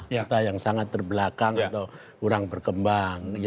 kita yang sangat terbelakang atau kurang berkembang